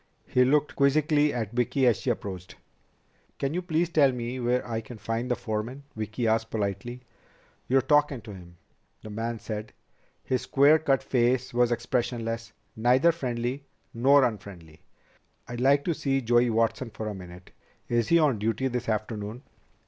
He looked quizzically at Vicki as she approached. "Can you please tell me where I can find the foreman?" Vicki asked politely. "You're talkin' to him," the man said. His square cut face was expressionless, neither friendly nor unfriendly. "I'd like to see Joey Watson for a minute. Is he on duty this afternoon?"